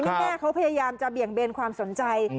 แม่เขาพยายามจะเบี่ยงเบนความสนใจ